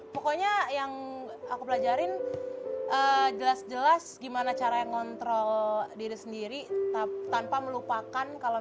pokoknya yang aku pelajarin jelas jelas gimana caranya ngontrol diri sendiri tanpa melupakan kalau